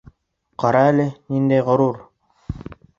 Ҡара әле, ниндәй ғорур!